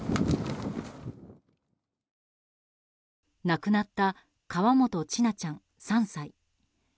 亡くなった河本千奈ちゃん３歳。